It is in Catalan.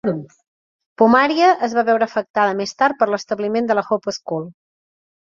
Pomaria es va veure afectada més tard per l'establiment de la Hope School.